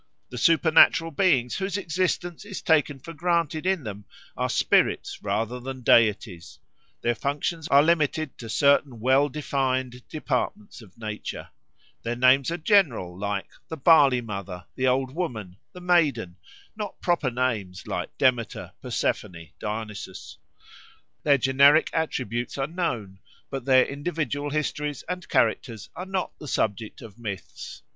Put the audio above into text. The supernatural beings whose existence is taken for granted in them are spirits rather than deities: their functions are limited to certain well defined departments of nature: their names are general like the Barley mother, the Old Woman, the Maiden, not proper names like Demeter, Persephone, Dionysus. Their generic attributes are known, but their individual histories and characters are not the subject of myths.